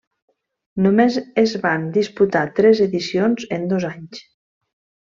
Només es van disputar tres edicions en dos anys.